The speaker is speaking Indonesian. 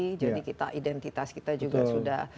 kita sudah memiliki data identitas kita juga sudah